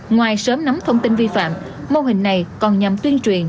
ngoài sớm nắm thông tin vi phạm mô hình này còn nhằm tuyên truyền